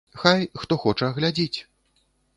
Хай, хто хоча, глядзіць.